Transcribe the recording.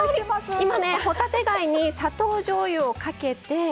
今ね帆立て貝に砂糖じょうゆをかけて。